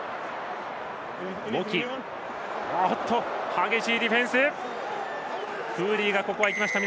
激しいディフェンス。